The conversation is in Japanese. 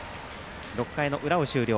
６回の裏を終了。